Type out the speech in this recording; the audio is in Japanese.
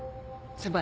先輩